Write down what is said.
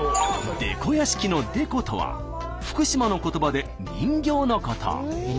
デコ屋敷の「デコ」とは福島の言葉で人形のこと。